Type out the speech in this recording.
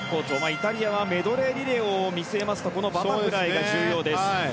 イタリアはメドレーリレーを見据えますとバタフライが重要です。